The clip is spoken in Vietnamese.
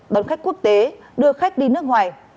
đón khách quốc tế đưa khách đi nước ngoài